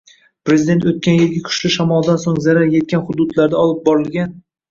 Prezident oʻtgan yilgi kuchli shamoldan soʻng zarar yetgan hududlarda olib borilgan